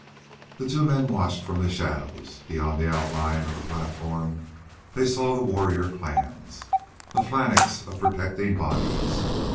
The two men watched from the shadows. Beyond the outline of the platform they saw the warrior clans, a phalanx of protecting bodies.